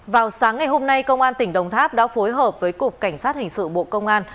vào sáng ngày hôm nay công an tỉnh đồng tháp đã phối hợp với cục cảnh sát hình sự bộ công an